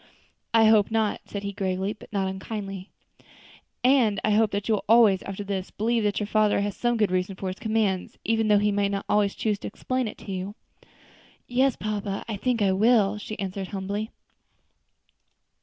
"I hope not," said he gravely, but not unkindly; "and I hope that you will always, after this, believe that your father has some good reason for his commands, even although he may not choose to explain it to you." "Yes, papa, I think I will," she answered, humbly.